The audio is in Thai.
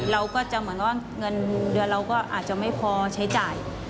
เราก็จะเหมือนว่าเงินเดือนเราก็อาจจะไม่พอใช้จ่าย